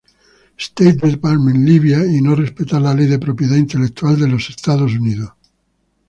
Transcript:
State Department, Libia, y no respetar la ley de propiedad intelectual de Estados Unidos.